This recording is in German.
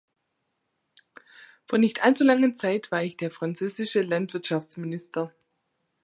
Vor nicht allzu langer Zeit war ich der französische Landwirtschaftsminister.